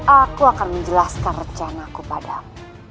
aku akan menjelaskan rencanaku padam